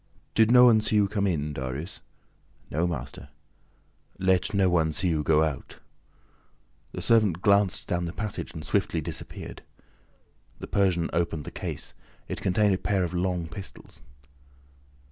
"Did no one see you come in, Darius?" "No, master." "Let no one see you go out." The servant glanced down the passage and swiftly disappeared. The Persian opened the case. It contained a pair of long pistols.